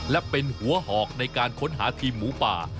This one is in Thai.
และเป็นหัวหอกในการค้นหาทีมหมูป่า